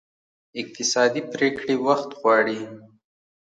اقتصادي پرېکړې وخت غواړي.